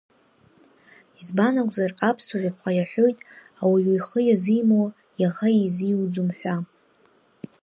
Избан акәзар, аԥсуа жәаԥҟа иаҳәоит ауаҩы ихы иазимуа иаӷа изиуӡом ҳәа.